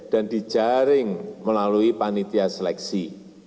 dan dijaring melalui panitia seleksi